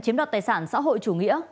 chiếm đoạt tài sản xã hội chủ nghĩa